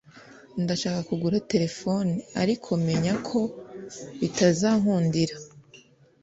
Ndashaka kugura telephone… ariko menya ko bitazankundira.